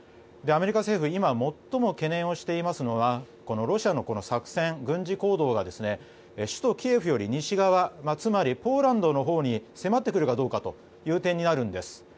アメリカ政府今、最も懸念をしていますのはロシアの作戦、軍事行動が首都キエフより西側つまりポーランドのほうに迫ってくるかどうかという点にあるんです。